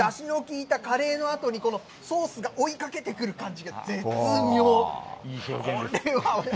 だしのきいたカレーのあとにこのソースが追いかけてくる感じが絶妙。